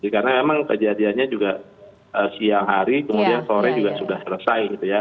karena memang kejadiannya juga siang hari kemudian sore juga sudah selesai gitu ya